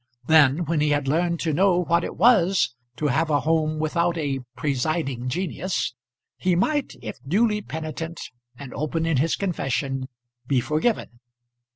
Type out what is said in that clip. Then, when he had learned to know what it was to have a home without a "presiding genius," he might, if duly penitent and open in his confession, be forgiven.